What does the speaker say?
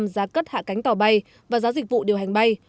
giá cất hạ cánh tàu bay và giá dịch vụ điều hành bay